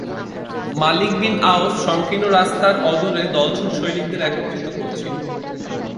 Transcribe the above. মালিক bin Awf সংকীর্ণ রাস্তার অদূরে দলছুট সৈন্যদের একত্রিত করছিল।